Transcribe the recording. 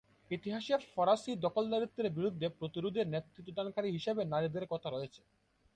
ইতিহাসে ফরাসি দখলদারিত্বের বিরুদ্ধে প্রতিরোধে নেতৃত্বদানকারী হিসাবে নারীদের কথা রয়েছে।